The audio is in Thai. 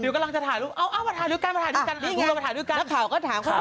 เดี๋ยวก็ลังจะถ่ายรูปมาถ่ายรูปกัน